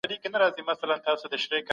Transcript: حقوق الله بايد ادا سي.